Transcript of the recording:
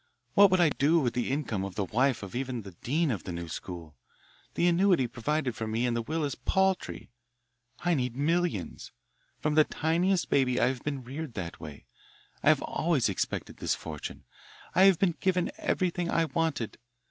What would I do with the income of the wife of even the dean of the new school? The annuity provided for me in that will is paltry. I need millions. From the tiniest baby I have been reared that way. I have always expected this fortune. I have been given everything I wanted.